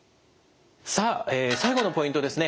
さあ最後のポイントですね。